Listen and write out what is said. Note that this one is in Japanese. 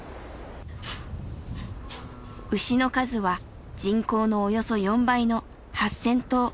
牛の数は人口のおよそ４倍の８，０００頭。